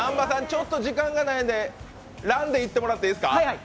ちょっと時間がないんで、ランで行ってもらっていいですか？